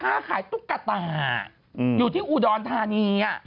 ค้าขายตุ๊กตาอยู่ที่อุดรธานี